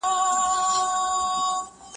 اخر یې وواژه په تا باندې هابیل ګیلهمن